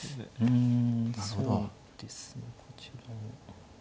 うんそうですねこちらも。